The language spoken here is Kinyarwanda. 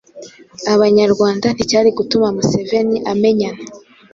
Abanyarwanda nticyari gutuma Museveni amenyana